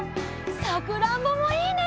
さくらんぼもいいね！